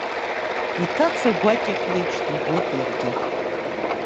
Иҭаца гәакьак леиԥш дибоит иаргьы.